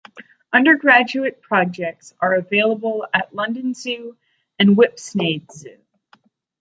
Undergraduate projects are available at London Zoo and Whipsnade Zoo.